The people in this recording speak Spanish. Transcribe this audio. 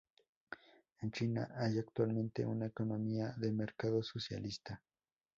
En China hay actualmente una economía de mercado socialista.